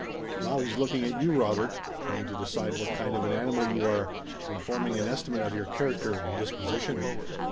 Now he's looking at you, Robert, trying to decide what kind of an animal you are, and forming an estimate of your character and disposition."